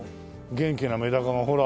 元気なメダカがほら。